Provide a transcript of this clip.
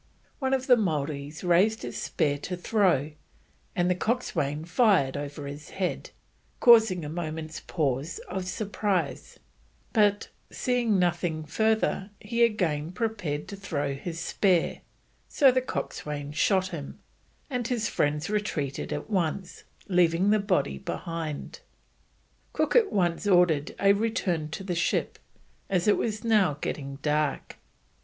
One of the Maoris raised his spear to throw, and the coxswain fired over his head, causing a moment's pause of surprise; but, seeing nothing further, he again prepared to throw his spear, so the coxswain shot him, and his friends retreated at once, leaving the body behind. Cook at once ordered a return to the ship, as it was now getting dark.